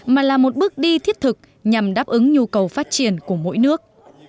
mà là một bước đi thiết thực nhằm đáp ứng nhu cầu phát triển của mỗi nước